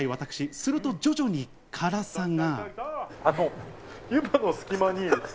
すると徐々に辛さが。